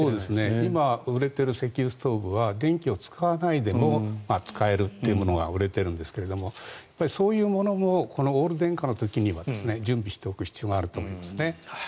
今、売れている石油ストーブは電気を使わないでも使えるっていうものが売れているんですがそういうものもこのオール電化の時には準備しておく必要があると思いますね。